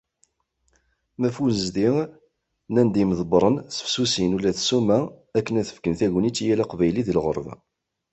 Ma ɣef unnezdi, nnan-d yimḍebbren sefsusin ula d ssuma akken ad fken tagnit i yal Aqbayli di lɣerba.